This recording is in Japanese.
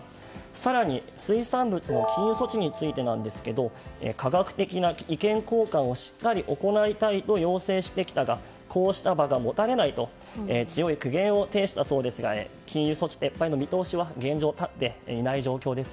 更に、水産物の禁輸措置についてですが科学的な意見交換をしっかり行いたいと要請してきたがこうした場が持たれないと強い苦言を呈したそうですが禁輸措置撤廃の見通しは現状、たっていない状況です。